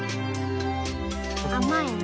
甘いね。